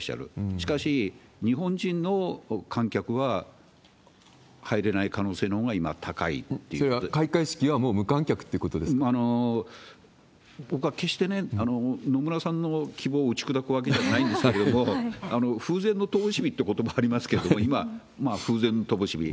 しかし、日本人の観客は入れない可能性のほうが今、それは開会式は、僕は決してね、野村さんの希望を打ち砕くわけじゃないんですけれども、風前のともし火ってことばありますけれども、今、風前のともしび。